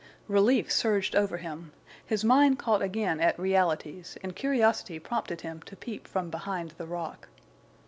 Relief surged over him. His mind caught again at realities, and curiosity prompted him to peep from behind the rock.